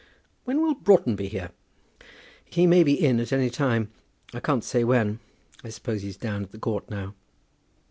"When will Broughton be here?" "He may be in at any time; I can't say when. I suppose he's down at the court now."